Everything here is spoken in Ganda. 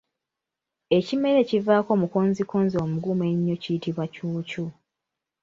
Ekimera ekivaako mukonzikonzi omugumu ennyo kiyitibwa Cuucu.